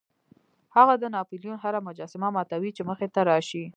هغه د ناپلیون هره مجسمه ماتوي چې مخې ته راشي.